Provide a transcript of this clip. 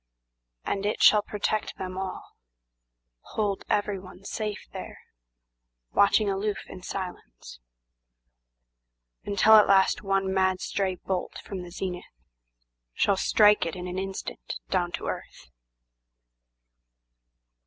And it shall protect them all, Hold everyone safe there, watching aloof in silence; Until at last one mad stray bolt from the zenithShall strike it in an instant down to earth.